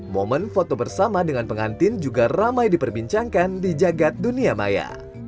momen foto bersama dengan pengantin juga ramai diperbincangkan di jagad dunia maya